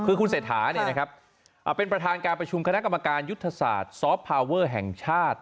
คือคุณเศรษฐาเป็นประธานการประชุมคณะกรรมการยุทธศาสตร์ซอฟต์พาวเวอร์แห่งชาติ